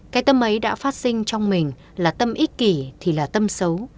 cái tâm ấy đã phát sinh trong mình là tâm ích kỷ thì là tâm xấu